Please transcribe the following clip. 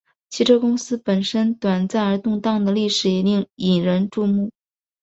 汽车公司本身短暂而动荡的历史也引人注目。